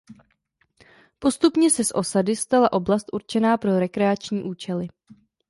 Postupně se z osady stala oblast určená pro rekreační účely.